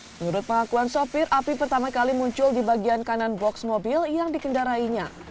menurut pengakuan sopir api pertama kali muncul di bagian kanan box mobil yang dikendarainya